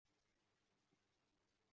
澹归墓塔的历史年代为清初。